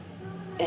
ええ！